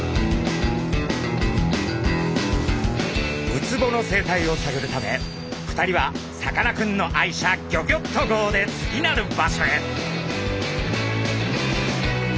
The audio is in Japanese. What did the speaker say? ウツボの生態をさぐるため２人はさかなクンの愛車ギョギョッと号で次なる場所へ。